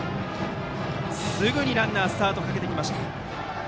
すぐにランナースタートかけてきました。